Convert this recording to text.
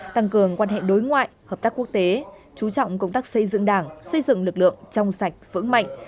tăng cường quan hệ đối ngoại hợp tác quốc tế chú trọng công tác xây dựng đảng xây dựng lực lượng trong sạch vững mạnh